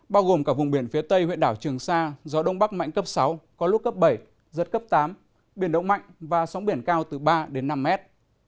bao gồm cả vùng biển phía tây huyện đảo trường sa gió đông bắc mạnh cấp sáu có lúc cấp bảy giật cấp tám biển động mạnh và sóng biển cao từ ba đến năm mét